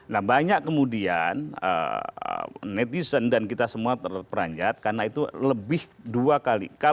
nah banyak kemudian netizen dan kita semua terperanjat karena itu lebih dua kali